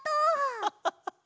ハハハハ！